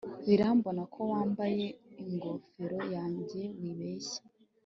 Birambona ko wambaye ingofero yanjye wibeshye